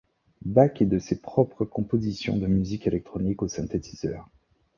Bach et de ses propres compositions de musique électronique au synthétiseur.